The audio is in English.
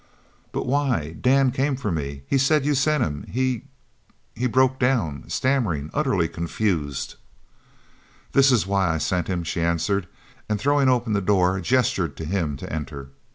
"But why Dan came for me he said you sent him he " he broke down, stammering, utterly confused. "This is why I sent him!" she answered, and throwing open the door gestured to him to enter.